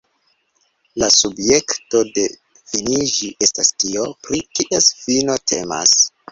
La subjekto de finiĝi estas tio, pri kies fino temas.